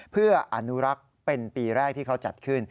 เพื่ออนุรักษ์เป็นปีแรกที่เขาจัดขึ้น